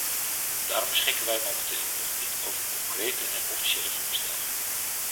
Daarom beschikken wij momenteel nog niet over concrete en officiële voorstellen.